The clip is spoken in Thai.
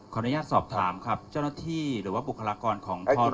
อนุญาตสอบถามครับเจ้าหน้าที่หรือว่าบุคลากรของแพทย์